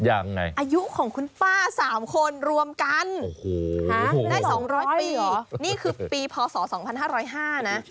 อายุของคุณป้า๓คนรวมกันได้๒๐๐ปีนี่คือปีพศ๒๕๐๕นะ